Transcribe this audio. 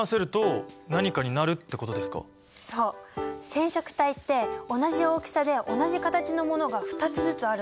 染色体って同じ大きさで同じ形のものが２つずつあるの。